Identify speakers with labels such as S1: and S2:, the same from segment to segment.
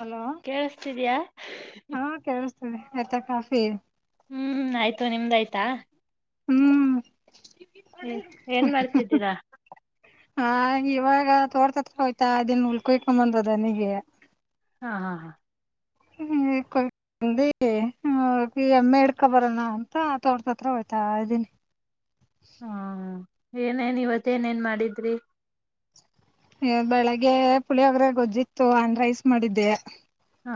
S1: Hello
S2: ಕೇಳಿಸತಿದ್ಯಾ
S1: ಹಾ ಕೇಳಸ್ತದೆ ಆಯ್ತಾ ಕಾಫಿ.
S2: ಹ್ಮ್ ಆಯ್ತು ನಿಮ್ದಾಯ್ತಾ
S1: ಹ್ಮ.
S2: ಹ್ಮ ಏನ್ ಮಾಡ್ತಿದ್ದೀರಾ.
S1: ಹ ಇವಾಗ ತೋರ್ತತ್ರ ಹೋಯ್ತಾ ಇದಿನ ಉಲ್ಕೊಯ್ಕೊ ಬಂದ ದನಿಗಿ
S2: ಹ್ಞಾ ಹಾ
S1: ಹೇ ಕೋಲ್ ಬೆ. ಹ ಪೆ ಯಮ್ಮೆ ಇಡ್ಕೊ ಬರೋಣ ಅಂತ ತೋಟ್ದ ಹತ್ರ ಹೋಯ್ತಾ ಇದ್ದೀನಿ.
S2: ಹ್ಮ ಏನೇನ್ ಇವತ್ ಏನೆನ್ ಮಾಡಿದ್ರಿ.
S1: ಏ ಬೆಳಗ್ಗೆ ಪುಳಿಯೊಗ್ರೆ ಗೊಜ್ಜಿತ್ತು ಆನ್ ರೈಸ್ ಮಾಡಿದ್ದೆ.
S2: ಹಾ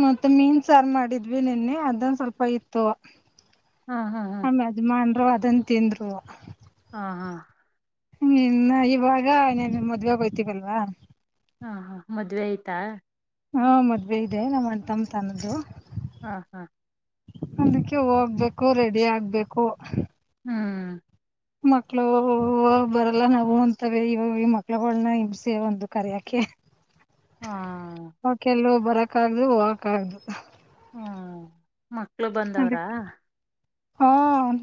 S1: ಮತ್ತೆ ಮೀನ್ ಸಾರ್ ಮಾಡಿದ್ವಿ ನಿನ್ನೆ ಅದನ್ ಸ್ವಲ್ಪ ಇತ್ತು.
S2: ಹಾ ಹಾ ಹಾ
S1: ವ ಅದಂತಿಂದ್ರು.
S2: ಹಾ ಹಾ
S1: ಹ್ಮ್ ಇನ್ನ ಇವಾಗ ನೀನ್ ಮದ್ವೆಗ್ ಹೋಯ್ತೀವಲ್ವಾ.
S2: ಹಾ ಹಾ ಮದ್ವೆ ಆಯ್ತಾ.
S1: ಹಾ ಮದ್ವೆ ಇದೆ ನಮ್ಮ ಅಣ್ತಮ್ಮ ತನ್ನ್ದು.
S2: ಹಾ ಹಾ
S1: ಅದಕ್ಕೆ ಹೋಗ್ಬೇಕು ರೆಡಿ ಆಗ್ಬೇಕು.
S2: ಹ್ಮ್
S1: ಮಕ್ಳು ಬರಲ್ಲ ನಾವು ಅಂತವೆ ಇವಾಗ ಮಕ್ಳುಗುಳ್ನ ಹಿಂಸೆ ಒಂದು ಕರ್ಯಕೆ. [unintelligible]
S2: ಹಾ
S1: ಬರಕಾಗ್ದು ಹೋಗಕ್ ಆಗ್ದು.
S2: ಹ್ಮ ಮಕ್ಳು ಬಂದವ್ರಾ.
S1: ಅದಕ್ಕೆ ಹಾ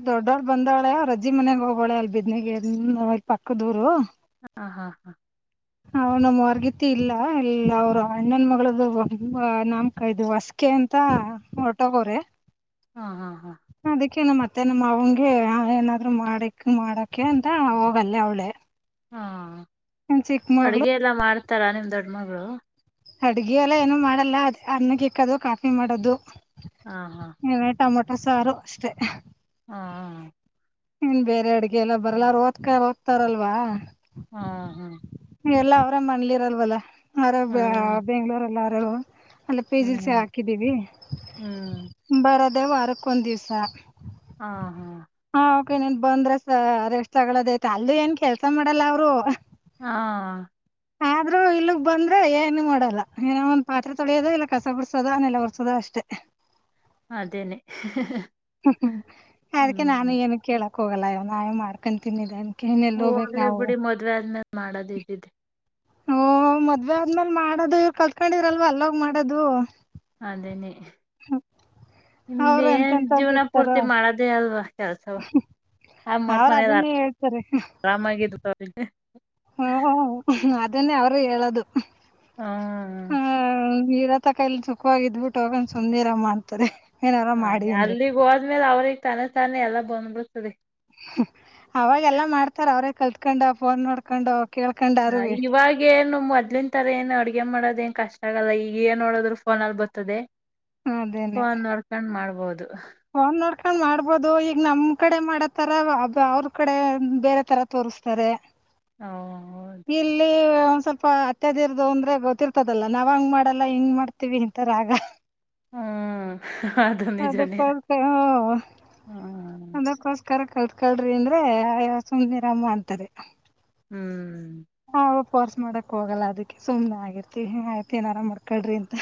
S1: ದೊಡ್ಡವಳು ಬಂದಾಳೆ ಅವ್ರಜ್ಜಿ ಮನೆಗ್ ಹೋಗಾಳೆ ಅಲ್ ಬಿದ್ನಗೆನ್ ಅಲ್ ಪಕ್ಕ ದೂರು.
S2: ಹಾ ಹಾ ಹಾ
S1: ಹ ನಮ್ಮ ಹೊರ್ಗತಿ ಇಲ್ಲ ಎಲ್ಲ ಅವ್ರ್ ಅಣ್ಣನ್ ಮಗಳ್ದಂಬ ನಾಮ್ಕ ಇದು ವಾಸ್ಕೆ ತೆ ಅಂತ ಹೊರ್ಟೋಗೋರೆ.
S2: ಹಾ ಹಾ ಹಾ
S1: ಕೆ ನಮ್ ಅತ್ತೇನು ಮಾವುಂಗೆ ಏನಾದ್ರು ಮಾಡಕ್ ಮಾಡಕೆ ಅಂತ ಹೋಗಲ್ ಅವ್ಳೇ.
S2: ಹಾ ಅಡ್ಗೆ ಎಲ್ಲಾ ಮಾಡ್ತಾರಾ ನಿಮ್ ದೊಡ್ ಮಗ್ಳು.
S1: ಅಡ್ಗೆ ಎಲ್ಲ ಏನು ಮಾಡಲ್ಲ ಅದ ಅನ್ನಗೆ ಇಕ್ಕದು ಕಾಫಿ ಮಾಡದು.
S2: ಹಾ ಹಾ
S1: ನೀ ಟೊಮೊಟೊ ಸಾರು ಅಷ್ಟೇ.
S2: ಹಾ
S1: ಇನ್ ಬೇರೆ ಅಡ್ಗೆ ಎಲ್ಲ ಬರ್ಲಾರ ಅವ್ರ್ ಓದ್ಕ ಹೋಗ್ತಾರಲ್ವಾ.
S2: ಹಾ ಹಾ
S1: ಎಲ್ಲ ಅವ್ರ ಮನೆಲಿರಲ್ವಲ್ಲ ಅವ್ರ
S2: ಹ್ಮ್
S1: ಬೆಂಗ್ಳೂರೆಲ್ಲ ಅವ್ರ. ಅಲ್ಲ ಪಿ ಜಿಲ್ಸ
S2: ಹ್ಮ್
S1: ಹಾಕಿದೀವಿ
S2: ಹ್ಮ್
S1: ಬರದೇ ವಾರಕ್ ಒಂದ್ ದಿವ್ಸ.
S2: ಹಾ ಹಾ
S1: ಹಾ ಓಕೆ ನೀನ್ ಬಂದ್ರೆಸ ರೆಷ್ಟ ತಗದೆ ಆಯ್ತ್ ಅಲ್ಲ ಏನ್ ಕೆಲ್ಸ ಮಾಡಲ್ಲ ಅವ್ರು.
S2: ಹಾ
S1: ಆದ್ರೂ ಇಲ್ಲಗ್ ಬಂದ್ರೆ ಏನು ಮಾಡಲ್ಲ ಏನ ಒಂದ್ ಪಾತ್ರೆ ತೊಳ್ಯದು ಇಲ್ಲ ಕಸ ಕುಡ್ಸೋದು ಇಲ ನೆಲ ಹೊರ್ಸೋದು ಅಷ್ಟೇ. ತ್ತ ಅ
S2: ಅದೇನೆ ಹಃ ಹಃ ಹ
S1: ಹ್ಮ್ಮ ಅದಕ್ಕೆ ನಾನು ಏನು ಕೇಳಕ್ ಹೋಗಲ್ಲ ನಾವೇ ಮಾಡ್ಕೊಂಡಂತನ್ನಿದೆ.
S2: ಹೋಗ್ಲಿ ಬಿಡಿ ಮದ್ವೆ ಆದ್ಮೇಲೆ ಮಾಡದ್ ಇದ್ದಿದ್ದೆ.
S1: ಓ ಮದ್ವೆ ಆದ್ಮೇಲ್ ಮಾಡೋದು ಇವ್ರು ಕತ್ಕೊಂಡಿದ್ರಲ್ವ ಅಲ್ಲೋಗ್ ಮಾಡೋದು.
S2: ಅದೇನೆ ನಿಮ್ದ
S1: ಅವ್ರು
S2: ಏನ್
S1: ಎಂತೆಂತವ್ರ್
S2: ಜೀವ್ನ
S1: ಸಿಗ್ತಾರೋ
S2: ಪೂರ್ತಿ ಮಾಡದೇ ಅಲ್ವಾ. ಕೆಲ್ಸವ ಹ ಮಾಡ್ಕ
S1: ಅವ್ರ್ ಅದನ್ನೇ ಹೇಳ್ತಾರೆ
S2: ಆರಾಮಾಗಿದ್ ಅವ್ರ.
S1: ಹ ಅದನ್ನೇ ಅವ್ರು ಹೇಳದು.
S2: ಹು
S1: ಇರತಕ ಇಲ್ ಸುಖವಾಗಿ ಇದ್ಬಿಟ್ಟು ಹೋಗೊನ ಸುಮ್ನಿರಮ್ಮ ಅಂತಾರೆ. ಏನಾರ
S2: ಹಾ
S1: ಮಾಡಿ ಅಂದ್ರೆ
S2: ಅಲ್ಲಿಗ್ ಹೋದ್ಮೇಲೆ ಅವ್ರಿಗೆ ತಾನೆ ತಾನೇ ಎಲ್ಲ ಬಂದ್ಬಿಡ್ತದೆ.
S1: ಅವಾಗೆಲ್ಲ ಮಾಡ್ತಾರ ಅವ್ರೇ ಕಲ್ತ್ಕೊಂಡ ಫೋನ್ ನೋಡ್ಕೊಂಡ.
S2: ಹ ಇವಾಗೇನು ಮೊದ್ಲನ್ ತರ ಏನ್ ಅಡ್ಗೆ ಮಾಡೋದು ಏನ್ ಕಷ್ಟ ಆಗಲ್ಲ, ಈಗ ಏನ್ ನೋಡೋರು ಫೋನ ಅಲ್ಲಿ ಬರ್ತದೆ.
S1: ಅದೇನೆ
S2: ಫೋನ್ ನೋಡ್ಕೊಂಡ್ ಮಾಡ್ಬೋದು.
S1: ಫೋನ್ ನೋಡ್ಕೊಂಡ್ ಮಾಡ್ಬೋದು, ಈಗ ನಮ್ ಕಡೆ ಮಾಡತರ ಅವ್ರ ಕಡೆ ಬೇರೆ ತರ ತೋ ಸ್ತಾರೆ
S2: ಹ ಹೌದು
S1: ಇಲ್ಲಿ ದ್ ಸ್ವಲ್ಪ ಅತ್ಯಾದಿರದು ಅಂದ್ರೆ ಗೊತ್ತಿರ್ತದಲ್ಲಾ ನಾವ್ ಹಂಗ್ ಮಾಡಲ್ಲ ಹಿಂಗ್ ಮಾಡ್ತೀವಿ ಅಂತರ ಆಗ.
S2: ಹ್ಮ್ ಅದು ನಿಜಾನೇ
S1: ಅದಕ್ಕೋಸ್ಕ ಹ
S2: ಹ್ಮ್
S1: ಅದಕ್ಕೋಸ್ಕ ಅರ ಕಲ್ತ್ ಕಳ್ರಿ ಅಂದ್ರೆಯ ಸುಮ್ನೆರಮ್ಮ ಅಂತಾರೆ.
S2: ಹ್ಮ್
S1: ಹಾ ಪೋರ್ಸ್ ಮಾಡಕ್ ಹೋಗಲ್ಲ ಅದಕ್ಕೆ ಸುಮ್ನೆ ಆಗಿರ್ತಿವ್ ಅತ್ ಏನಾರ ಮಾಡ್ಕಳ್ರಿ ಅಂತ.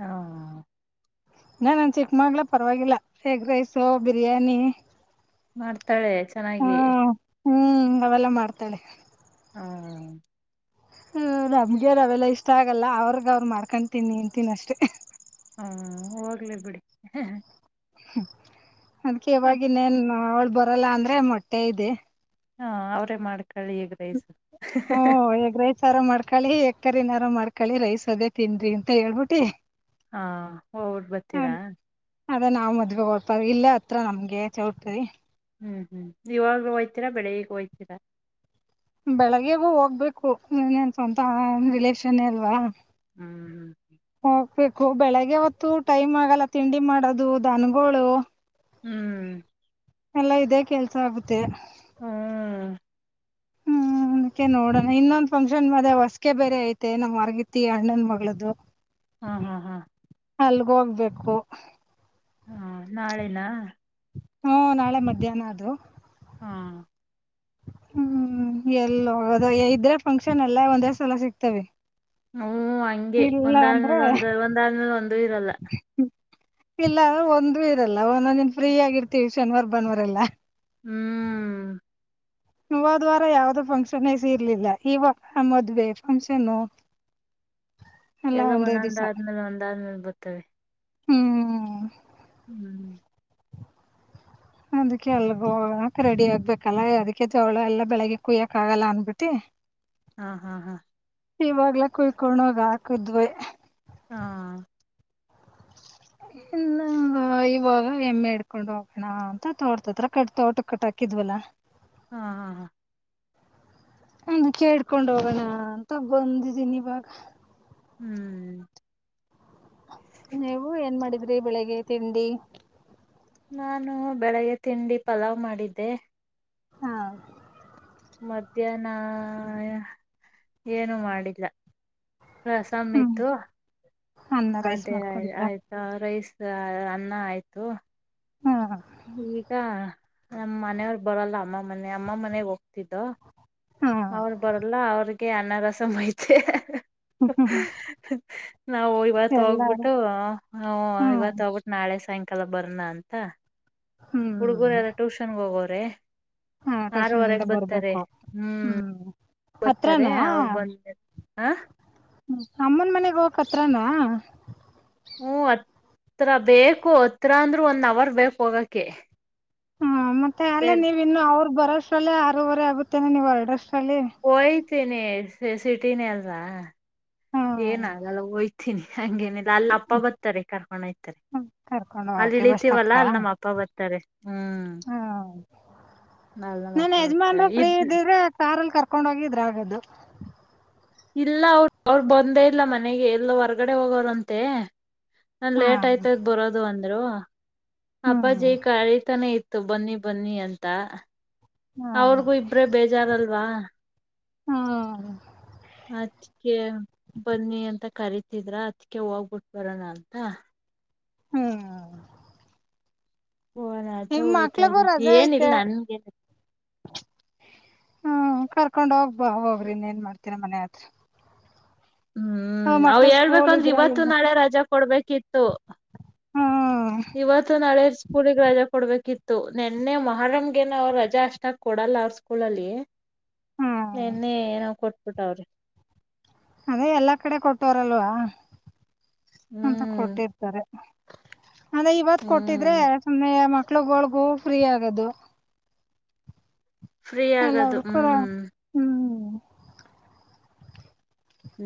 S2: ಹಾ
S1: ಇನ್ನ ಚಿಕ್ಕಮಗ್ಳು ಪರವಾಗಿಲ್ಲ, ಎಗ್ ರೈಸು, ಬಿರಿಯಾನಿ
S2: ಮಾಡ್ತಾಳೆ ಚೆನ್ನಾಗಿ
S1: ಹ್ಮ್ ಹ್ಮ್ ಅವೆಲ್ಲ ಮಾಡ್ತಾಳೆ.
S2: ಹ್ಮ
S1: ಹ ನಮ್ಗೆನ್ ಅವೆಲ್ಲಾ ಇಷ್ಟ ಆಗಲ್ಲ ಅವ್ರಗ ಅವ್ರು ಮಾಡ್ಕೊಂಡ್ ತಿಂತೀನಿ ಅಷ್ಟೇ.
S2: ಹ್ಮ ಹೋಗ್ಲೇ ಬಿಡಿ.
S1: ಅದ್ಕ್ಕೆ
S2: ಹ
S1: ಇವವಾಗಿನ್ನೇನ್ ಅವಳು ಬರಲ್ಲ ಅಂದ್ರೆ ಮೊಟ್ಟೆ ಇದೆ.
S2: ಹಾ ಅವ್ರೇ ಮಾಡ್ಕೊಳ್ಳಿ ಎಗ್ ರೈಸು.
S1: ತರ್ಕಾರಿ ಏನಾರು ಮಾಡ್ಕೊಳ್ಳಿ ರೈಸ್ ಅದೇ ತಿನ್ರಿ ಅಂತ ಹೇಳ್ಬಿಟ್ಟಿ
S2: ಹಾ ಹೋಗ್ಬಿಟ್
S1: ಅದ್
S2: ಬರ್ತೀರಾ?
S1: ಅದೇ ನಾವ್ ಮದ್ವೆ ಹೊಡ್ಪಾರ ಇಲ್ಲೇ ಹತ್ರ ನಮ್ಗೆ ಚೌಟರಿ.
S2: ಹ್ಮ್ ಹ್ಮ್ ಇವಾಗ ಹೋಯ್ತೀರಾ ಬೆಳಿಗ್ಗಿಗ್ ಹೋಯ್ತಿರಾ?
S1: ಬೆಳಗ್ಗೆಗೂ ಹೋಗ್ಬೇಕು ಇನ್ನೆನ್ ಸ್ವಂತ ರಿಲೇಷನ್ ಏ ಅಲ್ವಾ.
S2: ಹ್ಮ್ ಹ್ಮ್್ಮ
S1: ಬೇಕು ಬೆಳಿಗ್ಗೆ ಹೊತ್ತು ಟೈಮ್ ಆಗಲ್ಲ ತಿಂಡಿ ಮಾಡೋದು, ದನ್ಗಳು.
S2: ಹ್ಮ್
S1: ಎಲ್ಲಾ ಇದೇ ಕೆಲ್ಸ ಆಗುತ್ತೆ.
S2: ಹ್ಮ್
S1: ಹ್ಮ್ ಅದ್ಕೆ ನೋಡೋಣ, ಇನ್ನೊಂದ್ ಫಂಕ್ಷನ್ ಅದೆ ಹೊಸಗೆೆ ಬೇರೆ ಐತೆ ನಮ್ ವಾರಗತಿ ಅಣ್ಣನ್ ಮಗಳದ್ದು.
S2: ಹಾ ಹಾ ಹಾ
S1: ಅಲ್ಗೆ ಹೋಗ್ಬೇಕು.
S2: ಹಾ ನಾಳೆನಾ
S1: ಹ್ಮ ನಾಳೆ ಮಧ್ಯಾಹ್ನ ಅದು.
S2: ಹಾ
S1: ಹ್ಮ್ ಎಲ್ಲೋಗದೋ ಇದ್ರೆ ಫಂಕ್ಷನ್ ಎಲ್ಲ ಒಂದೇ ಸಲ ಸಿಕ್ತವಿ.
S2: ಹ್ಮ್ ಹಂಗೆ ಒಂದಾದ್ಮೇಲೆ ಒಂದ, ಒಂದಾದ್ಮೇಲೆ ಒಂದ ಇರಲ್ಲ.
S1: ಇಲ್ಲ ಒಂದ ಇರಲ್ಲ, ಒಂದೊಂದನ್ ಫ್ರೀ ಆಗಿರ್ತೀವಿ ಶನಿವಾರ ಭಾನುವಾರ ಎಲ್ಲಾ.
S2: ಹ್ಮ್
S1: ಹೋದ ವಾರ ಯಾವುದು ಫಂಕ್ಷನ್ ಇರ್ಲಿಲ್ಲ ಇವಾಗ ಮದ್ವೆ ಫಂಕ್ಷನ್. [inaudible] ಎಲ್ಲಾ
S2: ಎಲ್ಲ
S1: ಒಂದೇ
S2: ಒಂದೊಂದ್
S1: ದಿವ್ಸ
S2: ಆದ್ಮೇಲೆ ಒಂದಾದ್ಮೇಲೆ ಬರ್ತವೆ.
S1: ಹ್ಮ್
S2: ಹ್ಮ್ [inaudible]
S1: ಅದಕ್ಕೆ ಅಲ್ಗ ಹೋಗಕ್ ರೆಡಿ ಆಗ್ಬೇಕಲ್ಲ ಅದಕ್ಕೆ ತ ಅವಳ ಎಲ್ಲಾ ಬೆಳಿಗ್ಗೆ ಕುಯ್ಯಕ್ ಆಗಲ್ಲ ಅಂದಬಿಟ್ಟಿ
S2: ಹಾ ಹಾ ಹಾ
S1: ಇವಾಗ್ಲೆ ಕುಯ್ಕೊಂಡೋಗ ಹಾಕದ್ವೆ.
S2: ಹಾ
S1: ಇಲ್ಲ ಇವಾಗ ಹೆಮ್ಮೆ ಹಿಡ್ಕೊಂಡು ಹೋಗೋಣ ಅಂತ ತೋಟದತ್ರ ಕಟ್ ತೋಟ ಕಟಾಕಿದ್ವಲ್ಲ.
S2: ಹಾ ಹಾ ಹಾ.
S1: ಒಂದ್ ವಿಕ್ಕೆ ಹಿಡ್ಕೊಂಡ್ ಹೋಗಣ ಅಂತ ಬಂದಿದ್ದೀನಿ ಇವಾಗ.
S2: ಹ್ಮ್
S1: ನೀವು ಏನ್ ಮಾಡಿದ್ರಿ ಬೆಳಿಗ್ಗೆ ತಿಂಡಿ.
S2: ನಾನು ಬೆಳಿಗ್ಗೆ ತಿಂಡಿ ಪಲಾವ್ ಮಾಡಿದ್ದೆ.
S1: ಹಾ
S2: ಮಧ್ಯಾಹ್ನ ಏನು ಮಾಡಿಲ್ಲ. ರಸಂ
S1: ಹ್ಮ್
S2: ಇತ್ತು.
S1: ಅನ್ನ ರೈಸ್
S2: ಅದೇ
S1: ಮಾಡ್ಕೊಂಡಿದ್ರ
S2: ಆಯ್ತಾ ರೈಸ್ ಅನ್ನ ಆಯ್ತು.
S1: ಹಾ
S2: ಈಗ ನಮ್ಮ ಮನೆಯವರು ಬರಲ್ಲ ಅಮ್ಮ ಮನೆ ಅಮ್ಮ ಮನೆಗ್ ಹೋಗ್ತಿದ್ದೋ.
S1: ಹಾ
S2: ಅವ್ರ್ ಬರಲ್ಲ ಅವ್ರಿಗೆ ಅನ್ನ ರಸಮೈತೆ ಹಾ.
S1: ಹ್ಮ್ ಹ್ಮ್
S2: ನಾವು ಇವತ್
S1: ಎಲ್ಲಾರು
S2: ಹೋಗ್ಬಿಟ್ಟು ಹು
S1: ಹ್ಮ್
S2: ಇವತ್ ಹೋಗ್ಬಿಟ್ಟು ನಾಳೆ ಸಾಯಂಕ್ ಕಾಲ ಬರ್ನ ಅಂತ ಹುಡ್ಗರೆ
S1: ಹ್ಮ್
S2: ಎಲ್ಲ ಟ್ಯೂಷನ್ ಹೋಗವ್ರೆ.
S1: ಹಾ
S2: ಆರು
S1: ಇಂದ
S2: ವರೆಗ್ ಬತ್ತರೆ
S1: ಬರ್ಬೇಕು
S2: ಹ್ಮ್. ಬತ್ತರೆ
S1: ಹತ್ರಾನಾ
S2: ಅವ್ರ್ ಬಂದ್ ಮೇಲ್ ಹ.
S1: ಹ್ಮ್ ಅಮ್ಮನ್ ಮನೆಗ್ ಹೋಗೋಕ್ ಹತ್ರಾನಾ.
S2: ಹು ಹ ತ್ರ ಬೇಕು ಹತ್ರ ಅಂದ್ರರು ಒಂದ್ ನವರ್ ಬೇಕು ಹೋಗಕೆ.
S1: ಹ್ಮ ಮತ್ತೆ ಅಲ್ಲೇ
S2: ಬೇರ್
S1: ನೀವ್ ಇನ್ನು ಅವ್ರ್ ಬರೋಷ್ಟಲ್ಲೇ ಆರೂವರೆ ಆಗುತ್ತೇನೆ ನೀವು ಹೊರ್ಡೋಷ್ಟ್ರಲ್ ಕಲಿ
S2: ತಿನಿ ಸಿಟಿನೇ ಅಲ್ವಾ ಏನ್
S1: ಹ್ಮ್
S2: ಆಗಲ್ಲ ಹೊಯ್ತಿನಿ. ಹಂಗೇನಿಲ್ಲ ಅಲ್ ಅಪ್ಪ ಬತ್ತರೆ ಕರ್ಕೊಂಡೊಯ್ತರೆ.
S1: ಕರ್ಕೊಂಡ್
S2: ಅಲ್
S1: ಹೋಗಕೆ ಬಸ್ ಸ್ಟಾಪ್ಕ
S2: ಇಳಿತೀವಲ್ಲಾ ಅಲ್ ನಮ್ಮ ಅಪ್ಪ ಬತ್ತರೆ ಹ್ಮ್. ಅಲ್ಲಿ ನಮ್ಮ
S1: ನಿನ್
S2: ಅಪ್ಪ ಬರ್ತಾರೆ
S1: ಯಜಮಾನ್ರು ಫೀ
S2: ಇದ್
S1: ಇದಿದ್ರೆ ಕಾರ್ಲ್ ಕರ್ಕೊಂಡ ಹೋಗಿದ್ರೆ ಆಗದು.
S2: ಇಲ್ಲ ಅವ್ ಅವ್ರ್ ಬಂದೇ ಇಲ್ಲ ಮನೆಗೆ ಎಲ್ಲೋ ಹೊರ್ಗಡೆ ಹೋಗೋರಂತೆ. ನನ್
S1: ಹಾ
S2: ಲೇಟ್ ಆಯ್ತದ್ ಬರೋದು ಅಂದ್ರು
S1: ಹ್ಮ್
S2: ಅಪ್ಪಾಜಿ ಕಾಯ್ತಾನೆ ಇತ್ ತು ಬನ್ನಿ ಬನ್ನಿ ಅಂತ
S1: ಹಾ
S2: ಅವ್ರಿಗೂ ಇಬ್ರೇ ಬೇಜಾರಲ್ವಾ.
S1: ಹು.
S2: ಅದಕ್ಕೆ ಬನ್ನಿ ಅಂತ ಕರಿತಿದ್ರ ಅದಕ್ಕೆ ಹೋಗ್ಬಿಟ್ ಬರೋಣ ಅಂತ.
S1: ಹುಮ್
S2: ಹೋಗೋಣ ಅಂತ
S1: ನಿಮ್
S2: ಹೋಯ್ತಾ
S1: ಮಕ್ಳುಗು
S2: ಇದೀವಿ
S1: ರಜಾ ಐತೆ.
S2: ಏನಿಲ್ಲ ನನ್ಗೇನ
S1: ಹ್ಮ ಕರ್ಕೊಂಡ್ ಹೋಗ್ಬ ಹೋಗ್ರಿ ಇನ್ ಏನ್ ಮಾಡ್ತೀರ ಮನೆ ಹತ್ರ.
S2: ಹ್ಮ್ ಅವ್
S1: ಮಕ್ಳು ಸ್ಕೂಲ್
S2: ಹೇಳ್ಬೇಕಂದ್ರೆ
S1: ಇದ್ರೆ
S2: ಇವತ್ತು
S1: ಇಲ್ಲ
S2: ನಾಳೆ ರಜಾ ಕೊಡ್ಬೇಕಿತ್ತು.
S1: ಹು
S2: ಇವತ್ತು ನಾಳೆ ಸ್ಕೂಲಿಗ್ ರಜಾ ಕೊಡ್ಬೇಕಿತ್ ತು ನೆನ್ನೆ ಮೊಹರಂಗೆನು ರಜಾ ಅಷ್ಟಾಗ್ ಕೊಡಲ್ಲ ಅವ್ರ್ ಸ್ಕೂಲಲ್ಲಿ.
S1: ಹ್ಮ್
S2: ನೆನ್ನೆ ಏನೊ ಕೊಟ್ಬುಟ್ವ್ರೆ.
S1: ಅದೇ ಎಲ್ಲಾ ಕಡೆ ಕೊಟೋವ್ರಲ್ವಾ ಅಂತ
S2: ಹ್ಮ್
S1: ಕೊಟ್ಟಿರ್ತಾರೆ. ಅದ ಇವತ್ ಕೊಟ್ಟಿದ್ರೆ
S2: ಹ್ಮ್
S1: ಸುಮ್ಮನೆಯ ಮಕ್ಳುಗುಳ್ಗೂ ಫ್ರೀ ಆಗದು.
S2: ಫ್ರೀ ಆಗದು
S1: ಎಲ್ಲಾರೂ ಕೂಡ
S2: ಹ್ಮ್
S1: ಹ್ಮ್.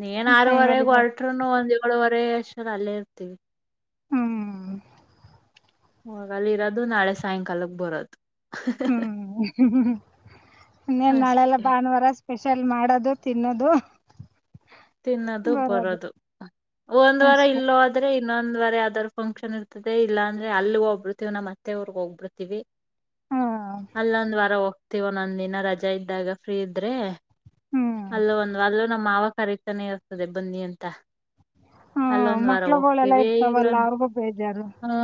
S2: ನೀನ್ ಆರೂವರೆಗ್
S1: ಟೈಮರಿಗ
S2: ಹೊರಟರುನು ಒಂದ್ ಏಳುವರೆ ಅಷ್ಟರ ಅಲ್ಲೇ ಇರ್ತೀವಿ.
S1: ಹ್ಮ್
S2: ವೊಗ್ ಅಲ್ ಇರೋದು ನಾಳೆ ಸಾಯಂಕಾಲಕ್ ಬರದು.
S1: ಹ್ಮ್ ಹ ಹ ಇನ್ನೇನ್ ನಾಳೆಲ್ಲ
S2: ಅಷ್ಟೇ
S1: ಭಾನ್ವಾರ ಸ್ಪೆಷಲ್ ಮಾಡೋದು. ತಿನ್ನದು.
S2: ತಿನ್ನದು ಬರದು ಒಂದ್ ವಾರ
S1: ಅಷ್ಟೆ
S2: ಇಲ್ ಹೋದ್ರೆ ಇನ್ನೊಂದ್ ವರೆ ಯಾವ್ದಾದ್ರು ಫಂಕ್ಷನ್ ಇರ್ತದೆ ಇಲ್ಲ ಅಂದ್ರೆ ಅಲ್ ಹೋಗ್ಬಿಡ್ತಿವಿ ನಮ್ಮ ಮತ್ತೆ ಊರ್ಗ್ ಹೋಗ್ಬಿಡ್ತಿವಿ.
S1: ಹ
S2: ಅಲ್ಲೊಂದ್ ವಾರ ಹೋಗ್ತವ್ ಓನೊಂದ್ ದಿನ ರಜಾ ಇದ್ದಾಗ ಫ್ರೀ ಇದ್ರೆ.
S1: ಹ್ಮ್
S2: ಅಲ್ಲು ಒಂದ್ ಅಲ್ಲೂ ನಮ್ಮ ಮಾವ ಕರಿತಾನೆ ಇರ್ತದೆ ಬನ್ನಿ ಅಂತ.
S1: ಹ
S2: ಅಲ್ಲೊಂದ್ ವಾರ
S1: ಮಕ್ಳುಗಳೆಲ್ಲ
S2: ಹೋಗ್ತೀವಿ
S1: ಇರ್ತಾವಲ್ಲ
S2: ಇಲ್ಲೊಂದ್
S1: ಅವ್ರಿಗೂ ಬೇಜಾರು
S2: ಹುಂ.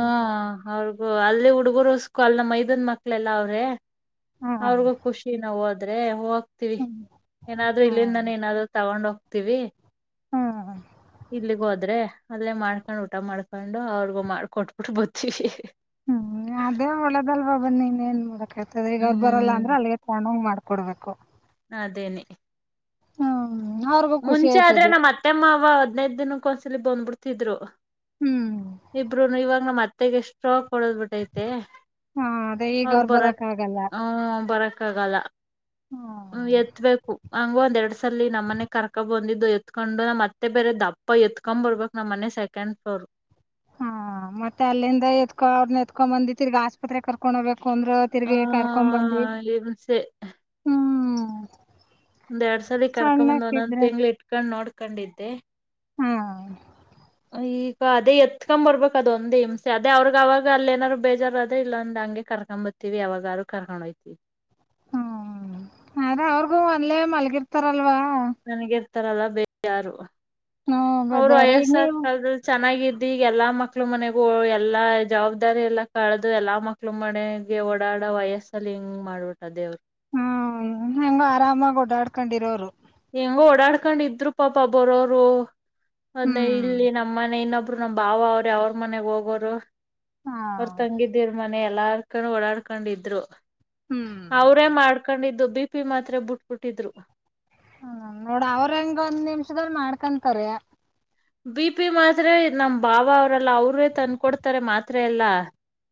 S2: ಅವ್ರಗು ಅಲ್ ಹುಡಗುರು ಸ್ಕಾಲ ನಮ್ಮ ಮೈದಂದ್ ಮಕ್ಳೆಲ್ಲಾ ಅವ್ರೆ.
S1: ಹ
S2: ಅವ್ರಗೂ ಖುಷಿನ ಹೋದ್ರೆ ಹ ಹೋಗ್ತವಿ
S1: ಹ್ಮ್
S2: ಏನಾದ್ರು
S1: ಹ
S2: ಇಲ್ಲಿಂದ ನಾನ ಏನಾದ್ರು ತಗೊಂಡ್ ಹೋಗ್ತಿವಿ
S1: ಹ್ಮ್
S2: ಇಲ್ಲಿಗ ಹೋದ್ರೆ ಅದ್ರೇ ಮಾಡ್ಕೊಂಡ್ ಊಟ ಮಾಡ್ಕೊಂಡು ಅವ್ರಗ ಮಾಡ್ಕೊಟ್ಬಿಟ್ಟು ಬತೀವಿ
S1: ಹ್ಮ್ ಅದೇ ಒಳ್ಳೆದಲ್ ಬಾಬನ್ ನೀನ್ ಏನ್ಕ್ ಹೇತದ ಈಗ ಅವ್ರು ಬರಲ್ಲ
S2: ಹ್ಮ್
S1: ಅಂದ್ರ ಅಲ್ಲಿಗೆ ತಗಣಂಗ್ ಮಾಡ್ ಕೊಡಬೇಕು
S2: ಅದೇನೆ
S1: ಹಾ
S2: ಮುಂಚೆ ಆದ್ರೆ ನಮ್ಮ್ ಅತ್ತೆಮ್ಮ ಅವವ ಹದ್ನೈದ ದಿನಕ್ಕ ಒಂದ್ಸಲಿ ಬಂದ್ಬಿಡ್ತಿದ್ರು
S1: ಹ್ಮ್
S2: ಇಬ್ರು ಇವಾಗ ನಮ್ಮ್ ಮತ್ತೆೆಗೆ ಎಷ್ಟ ಕೊಡದ್ಬಿಟ್ಟೈತೆ
S1: ಹ ಅದೇ ಈಗ
S2: ಅವ್ರ ಬರಕ್
S1: ಆಗಲ್ಲ
S2: ಹ ಬರಕ್ ಆಗಲ್ಲ
S1: ಹ್ಮ್
S2: ಎತ್ಬೇಕು ಹಂಗ ಒಂದ ಎರಡ್ ಸಲ ನಮ್ಮನೆಗ್ ಕರ್ಕ ಬಂದಿದ್ದು ಎತ್ಕೊಂಡು ನ್ ಮತ್ತೆ ಬೇರೆ ದಪ್ಪ ಪ ಎತ್ಕೊ್ ಬರ್ಬೇಕಕ್ ನಮ್ಮ್ ಮನೆ ಸೆಕಂಡ್ ಫ್ಲೋರ್
S1: ಹಾ ಮತ್ತೆ ಅಲ್ಲಿಂದ ಎತ್ಕೊ ಅವ್ರನ್ನ ಎತ್ಕೊ ಬಂದಿ ತಿರ್ಗಿ ಆಸ್ಪತ್ರೆಗೆ ಕರ್ಕೊಂಡ ಹೋಗಬೇಕು ಕಂದ್ರ
S2: ಹ್ಮ
S1: ತಿರ್ಗಿ ಕರ್ಕೊಂಡ ಬಂದವಿ ಹ್ಮ್
S2: ಒಂದ್ ಎರಡ್ ಸಾರಿ ಕರ್ಕೊಂಬಂದ್ ಒಂದೊಂದ್
S1: ಸಣ್ಣಕ್ಕಿದ್ರೆ
S2: ತಿಂಗ್ಳ ಇಟ್ಕೊಂಡ್ ನೋಡ್ಕೊಂಡಿದ್ದೆ
S1: ಹ್ಮ
S2: ಈಗ ಅದೇ ಎತ್ಕೊ್ ಬರ್ಬೇಕು ಅದು ಒಂದ್ ಹಮಸೆ ಅದೇ ಅವ್ರಗ್ ಅವಾಗ ಅಲ್ಲಿ ಏನಾರ್ರು ಬೇಜಾರು ಅೇ ಇಲ್ಲ ಅಂದ ಹಂಗೆ ಕ ಕರ್ಕೊಂಡ್ ಬರ್ತೀವಿ ಅವವಾಗೂ ಕರ್ಕೊಂಡೋಯ್ತಿವಿ
S1: ಹ್ಮ ಆದ್ರೆ ಅವ್ರಗೂ ಒಂದ್ಲೆೇ ಮಲ್ಗಿರ್ತಾರಲ್ವಾ
S2: ನನಗರ್ತಾರಲ್ಲ ಬೇ ಯಾರು
S1: ಹಾ
S2: ಅವ್ರು
S1: ಬೇಜಾರು ಈಗ
S2: ವಯಸ್ಸಾದ
S1: ನೀವು
S2: ಕಾಲದಲ್ಲಿ ಚೆನ್ನಾಗ ಇದ ಈಗ ಎಲ್ಲಾ ಮಕ್ಳು ಮನೆಗೂ ಎಲ್ಲಾ ಜವಾಬ್ದಾರಿ ಎಲ್ಲಾ ಕಳೆದುು ಎಲ್ಲಾ ಮಕ್ಳು ಮನೆಗೆ ಓಡಾಡ ಬಡ ವಯಸ್ಸಲ್ಲಿ ಹಿಂಗ ಮಾಡ್ಬಿಟ್ಟ ಅದೇವ್ರರು
S1: ಹ್ಮ ಹೆಂಗ ಆರಾಮಾಗಿ ಓಡಾಡ್ಕೊಂಡಿರೋರು
S2: ಹೆಂಗ ಓಡಾಡ್ಕೊಂಡಿದ್ರು ಪಾಪ ಬರೋರು ಅದ್ನ್ನ
S1: ಹ್ಮ್
S2: ಇಲ್ಲಿ ನಮ್ಮ ಮನೆ ಇನ್ನೊಬ್ ಬ್ರು ನಮ ಬಾವ ಅವ್ರರು ಅವ್ರ ಮನೆಗ್ ಹೋಗೋರು
S1: ಹಾ
S2: ಅವ್ರ ತಂಗಿದ್ದಿರ್ ಮನೆ ಎಲ್ಲಾರ್ ಕೊಂಡು ಓಡಾಡ್ಕೊಂಡಿದ್ರು
S1: ಹ್ಮ್
S2: ಅವರೇ ಮಾಡ್ಕೊಂಡಿದ್ದು ಬಿಪಿ ಮಾತ್ರ ಬುಟ್ಬುಟ್ಟಿದ್ರು
S1: ಹ್ಮ ನೋಡ ಅವ್ರಂಗ ಒಂದ್ ನಿಮಿಷಲ್ ಮಾಡ್ಕೊಂತಾರ
S2: ಬಿ ಪಿ ಮಾತ್ರ ನಮ್ ಬಾವ ಅವ್ರಲ್ಲ ಅವ್ರೇ ತಂದಕೊಡ್ತಾರೆ ಮಾತ್ ಎಲ್ಲಾ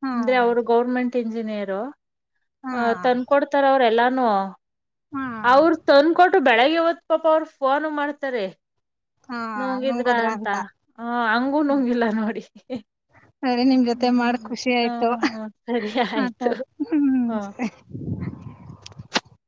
S1: ಹಾ
S2: ಅಂದ್ರೆ ಅವರು ಗೌರ್ಮೆಂಟ್ ಇಂಜಿನಿಯರು
S1: ಹಾ
S2: ಅ ತಂದಕ ಕೊಡ್ತಾರ ಅವ್ರ ಎಲ್ಲ
S1: ಹಾ
S2: ಅವರು ತಂದಕೊಟ್ಟು ಬೆಳಗ್ಗೆವತ್ತು ಪಾಪ ಅವರು ಫೋನ್ ಮಾಡ್ತಾರೆ
S1: ಹಾ
S2: ನುಂಗಿದ್ರ ಅಂತ ಹ ಹಂಗೂ ನಂಗಿಲ್ಲ ನೋಡಿ
S1: ಸರಿ ನಿಮ್ ಜೊತೆ
S2: ಹ್ಮ್
S1: ಮಾಡ ಖುಷಿ
S2: ಹ್ಮ
S1: ಆಯ್ತು
S2: ಹ್ಮ ಸರಿ
S1: ಆತ
S2: ಆಯ್ತು
S1: ಅದ ಹ್ಮ್
S2: ಹಾ
S1: ಸರಿ [unintelligible]